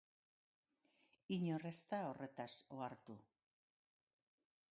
Inor ez da horretaz ohartu.